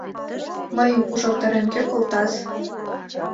Мыйым ужалтарен кӧ колтас?